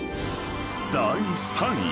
［第３位］